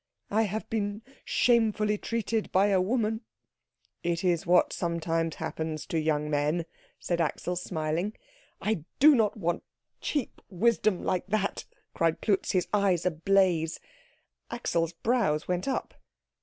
"I have been shamefully treated by a woman." "It is what sometimes happens to young men," said Axel, smiling. "I do not want cheap wisdom like that," cried Klutz, his eyes ablaze. Axel's brows went up.